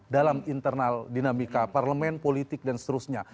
dalam internal dinamika parlemen politik dan seterusnya